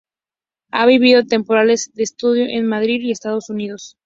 Ha vivido temporadas de estudio en Madrid y en Estados Unidos.